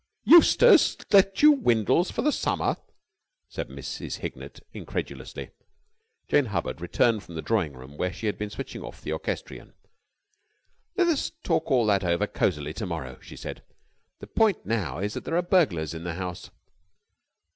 "Eustace let you Windles for the summer!" said Mrs. Hignett, incredulously. Jane Hubbard returned from the drawing room, where she had been switching off the orchestrion. "Let us talk all that over cosily to morrow," she said. "The point now is that there are burglars in the house."